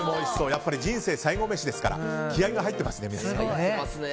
やっぱり人生最後メシですから気合が入ってますね、みなさん。